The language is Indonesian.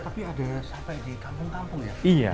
tapi ada sampai di kampung kampung ya